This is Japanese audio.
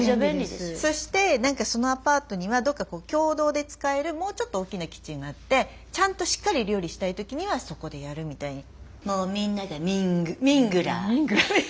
そして何かそのアパートにはどっか共同で使えるもうちょっと大きなキッチンがあってちゃんとしっかり料理したい時にはそこでやるみたいに。